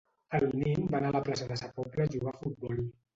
El nin va anar a la plaça de Sa Pobla a jugar a futbol